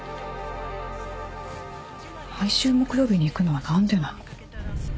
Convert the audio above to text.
毎週木曜日に行くのは何でなの？